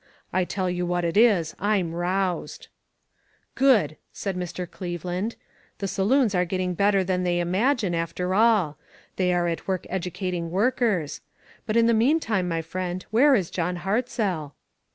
I tell you what it is, I'm roused." "Good!" said Mr. Cleveland. "The sa loons are building better than they imagine, after all. They are at work educating workers. But in the meantime, my friend, where is John Hartzell?"